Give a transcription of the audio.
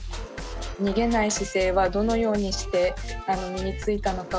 逃げない姿勢はどのようにして身についたのかを。